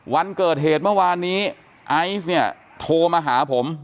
วันเกิดเหตุเมื่อวานนี้ไอซ์เนี่ยโทรมาหาผม